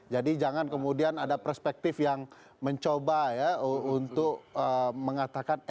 jadi jangan kemudian ada perspektif yang mencoba ya untuk mengatakan